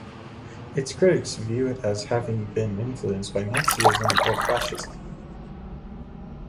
Its critics view it as having been influenced by Nazism or Fascism.